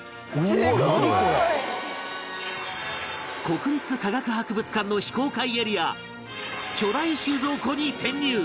国立科学博物館の非公開エリア巨大収蔵庫に潜入！